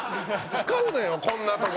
使うなよこんなとこ！